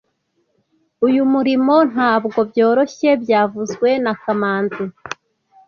Uyu murimo ntabwo byoroshye byavuzwe na kamanzi